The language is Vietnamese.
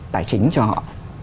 tài chính cho họ